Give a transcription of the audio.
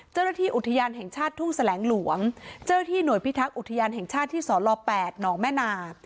เจ้าหน้าที่อุทยานแห่งชาติทุ่งแสลงหลวงเจ้าหน้าที่หน่วยพิทักษ์อุทยานแห่งชาติที่สล๘หนองแม่นา